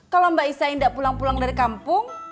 kalau mbak isai tidak pulang pulang dari kampung